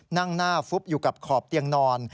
นั่งหน้าฟุบอยู่กับขอบเตียงนอน